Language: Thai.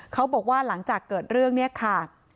เขาบอกว่าหลังจากเกิดเรื่องเนี่ยค่ะ